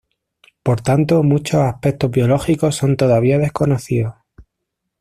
Por tanto muchos aspectos biológicos son todavía desconocidos.